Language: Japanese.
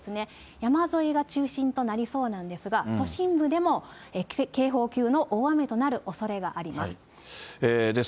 山沿いが中心となりそうなんですが、都心部でも警報級の大雨となるおそれがあります。